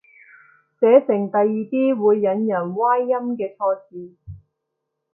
寫成第二啲會引人歪音嘅錯字